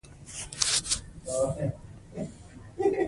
د معلوماتي ټکنالوژۍ پراختیا د حکومتولۍ په چارو کې روڼتیا رامنځته کوي.